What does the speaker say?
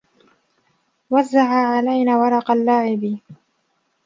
وزّع علينا ورق اللعب.